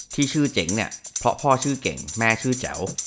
ที่ชื่อเจ๋งเนี่ยเพราะพ่อชื่อเก่งแม่ชื่อแจ๋ว